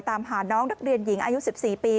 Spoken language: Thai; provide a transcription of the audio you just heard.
ตามหาน้องนักเรียนหญิงอายุ๑๔ปี